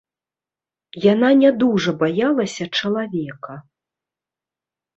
Яна не дужа баялася чалавека.